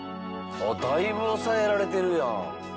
だいぶ抑えられてるやん。